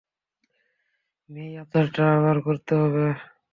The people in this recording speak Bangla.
মেই, আচারটা আবার করতে হবে।